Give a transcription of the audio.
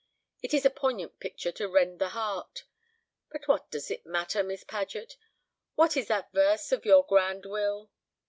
It is a poignant picture to rend the heart. But what does it matter, Miss Paget? What is that verse of your grand Will?